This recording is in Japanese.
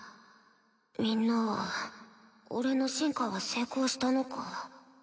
みんなは俺の進化は成功したのか？